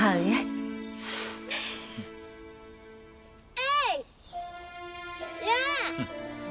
えい！